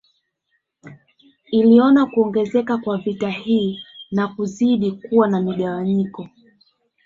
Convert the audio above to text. Iliona kuongezeka kwa vita hii na kuzidi kuwa na migawanyiko